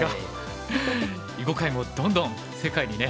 囲碁界もどんどん世界にね